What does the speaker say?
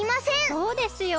そうですよ！